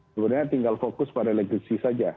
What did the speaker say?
sebenarnya tinggal fokus pada legacy saja